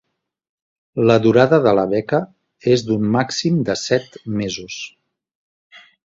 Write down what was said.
La durada de la beca és d'un màxim de set mesos.